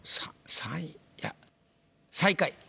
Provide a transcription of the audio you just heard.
３３位いや最下位。